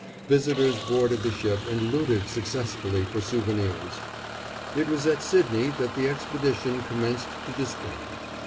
Visitors boarded the ship and looted successfully for souvenirs. It was at Sydney that the expedition commenced to disband.